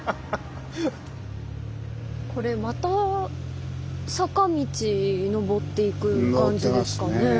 これまた坂道上っていく感じですかねぇ。